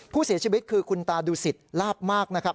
ผู้เสียชีวิตคือคุณตาดูสิตลาบมากนะครับ